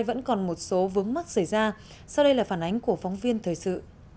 vẫn còn một số vướng mắt xảy ra sau đây là phản ánh của phóng viên thời sự